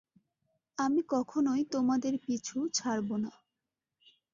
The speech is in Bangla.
আমি কখনোই তোমাদের পিছু ছাড়ব না।